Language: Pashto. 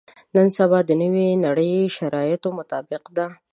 نن سبا د نوې نړۍ شرایطو مطابق ده.